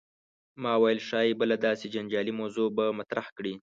ما ویل ښايي بله داسې جنجالي موضوع به مطرح کړې.